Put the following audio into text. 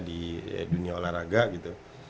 di dunia olahraga gitu